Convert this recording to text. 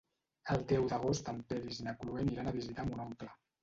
El deu d'agost en Peris i na Cloè aniran a visitar mon oncle.